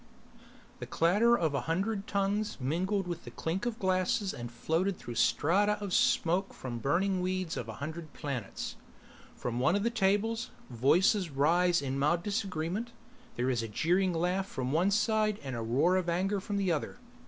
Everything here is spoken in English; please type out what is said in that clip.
The clatter of a hundred tongues mingled with the clink of glasses and floated through strata of smoke from the burning weeds of a hundred planets. From one of the tables, voices rise in mild disagreement. There is a jeering laugh from one side and a roar of anger from the other.